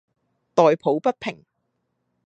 代抱不平；